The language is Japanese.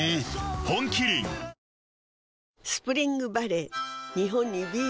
本麒麟スプリングバレー